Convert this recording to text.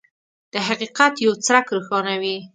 د حقیقت یو څرک روښانوي.